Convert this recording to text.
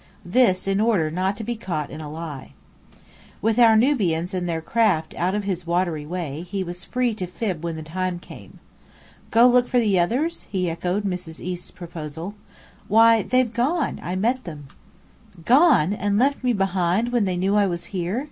This in order not to be caught in a lie. With our Nubians and their craft out of his watery way, he was free to fib when the time came. "Go look for the others?" he echoed Mrs. East's proposal. "Why, they've gone. I met them." "Gone! And left me behind when they knew I was here?"